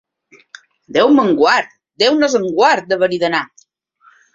Déu me'n guard, Déu nos en guard, d'haver-hi d'anar.